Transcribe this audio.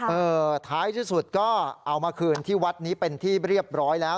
เออท้ายที่สุดก็เอามาคืนที่วัดนี้เป็นที่เรียบร้อยแล้ว